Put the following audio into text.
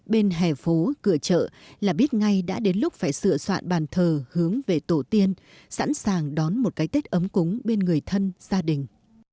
bên hẻ phố cửa chợ là biết ngay đã đến lúc phải sửa soạn bàn thờ hướng về tổ tiên sẵn sàng đón một cái tết ấm cúng bên người thân gia đình